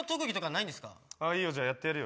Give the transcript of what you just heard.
いいよじゃあやってやるよ。